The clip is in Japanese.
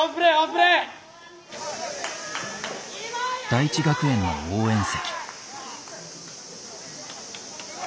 大智学園の応援席。